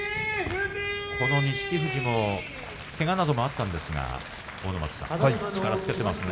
この錦富士のけがなどもあったんですが阿武松さん、力をつけていますね。